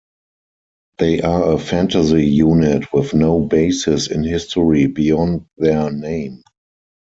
They are a fantasy unit with no basis in history beyond their name.